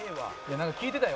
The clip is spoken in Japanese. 「なんか聞いてたよ」